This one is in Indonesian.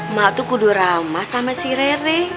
mbak tuh kudurama sama si rere